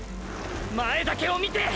前だけを見て！！